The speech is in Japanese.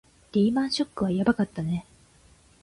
リーマンショックはやばかったね